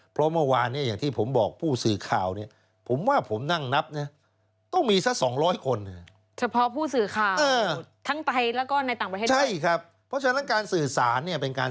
เพราะเมื่อวานเนี่ยอย่างที่ผมบอกผู้สื่อข่าวเนี่ยผมว่าผมนั่งนับนะต้องมีสัก๒๐๐คน